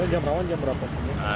jam rawan jam berapa